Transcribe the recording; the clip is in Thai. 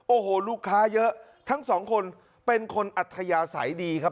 โอ้โหลูกค้าเยอะทั้งสองคนเป็นคนอัธยาศัยดีครับ